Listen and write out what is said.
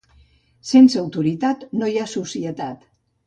Sense autoritat no hi ha societat.